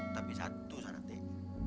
tapi satu syaratnya